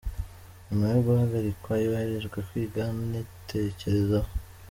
Nyuma yo guhagarikwa yoherejwe kwiga, anitekerezaho .